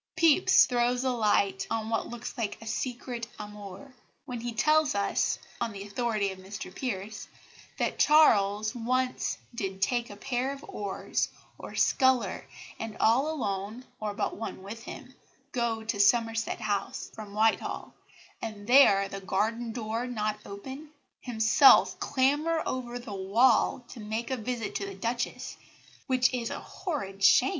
Pepys throws a light on what looks like a secret amour, when he tells us, on the authority of Mr Pierce, that Charles once "did take a pair of oars or a sculler, and all alone, or but one with him, go to Somerset House (from Whitehall), and there, the garden door not open, himself clamber over the wall to make a visit to the Duchess, which is a horrid shame."